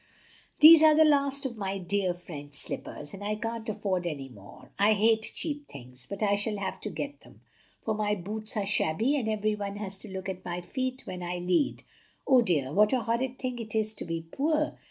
"These are the last of my dear French slippers, and I can't afford any more. I hate cheap things! But I shall have to get them; for my boots are shabby, and every one has to look at my feet when I lead. Oh dear, what a horrid thing it is to be poor!"